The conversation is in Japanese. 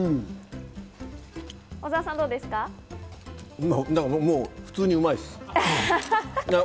小澤さん、どうですか？